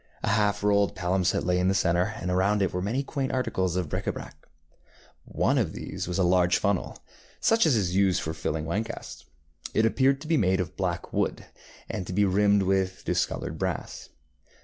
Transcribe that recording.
A half rolled palimpsest lay in the centre, and around it were many quaint articles of bric ├Ā brac. One of these was a large funnel, such as is used for filling wine casks. It appeared to be made of black wood, and to be rimmed with discoloured brass.